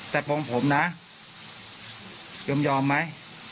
แต่ตรงผมนะยอมมั้ย